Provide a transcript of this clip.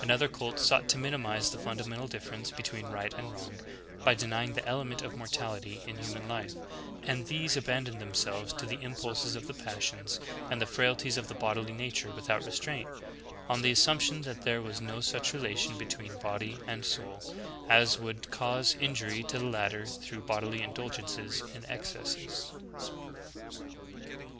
Another cult sought to minimize the fundamental differ ence between right and wrong, by denying the element of morality in human life; and these abandoned themselves to the impulses of the passions and the frailties of the bodily nature without restraint, on the assumption that there was no such relation between body and soul as would cause injury to the latter through bodily indulgences and excesses.